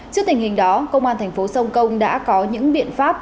trước tình hình đó công an thành phố sông công đã có những biện pháp